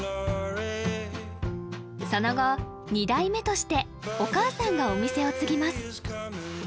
その後２代目としてお母さんがお店を継ぎます